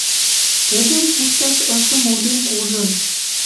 Тӹдӹм пушташ ышым урден кужын